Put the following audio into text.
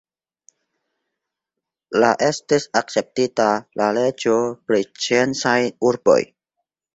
La estis akceptita la leĝo pri sciencaj urboj.